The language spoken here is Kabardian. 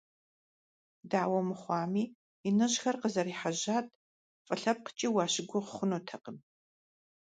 Дауэ мыхъуами, иныжьхэр къызэрехьэжьат, фӀы лъэпкъкӏи уащыгугъ хъунутэкъым.